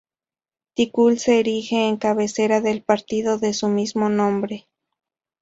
Ticul se erige en cabecera del partido de su mismo nombre.